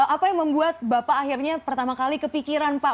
apa yang membuat bapak akhirnya pertama kali kepikiran pak